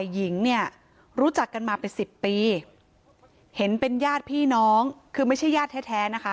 หญิงเนี่ยรู้จักกันมาเป็นสิบปีเห็นเป็นญาติพี่น้องคือไม่ใช่ญาติแท้นะคะ